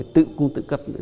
tự cung tự cấp